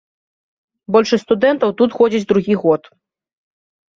Большасць студэнтаў тут ходзяць другі год.